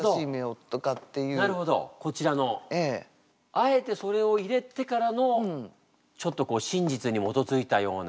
あえてそれを入れてからのちょっと真実に基づいたような。